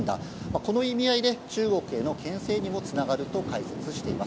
この意味合いで中国への牽制にもつながると解説しています。